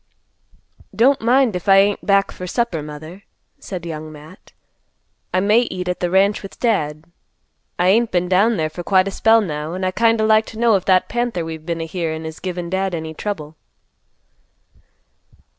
"Don't mind if I ain't back for supper, Mother," said Young Matt. "I may eat at the ranch with Dad. I ain't been down there for quite a spell now, an' I'd kind o' like to know if that panther we've been a hearin' is givin' Dad any trouble."